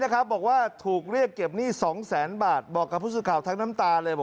ครับผมคือเราให้ลูกค้าไปหมดแล้ว